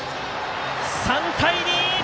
３対２！